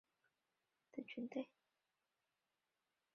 一般意义上并不包含其他国家直接派遣的军队。